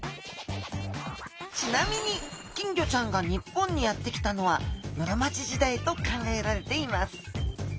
ちなみに金魚ちゃんが日本にやって来たのは室町時代と考えられています。